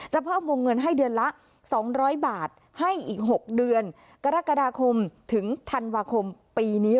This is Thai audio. เพิ่มวงเงินให้เดือนละ๒๐๐บาทให้อีก๖เดือนกรกฎาคมถึงธันวาคมปีนี้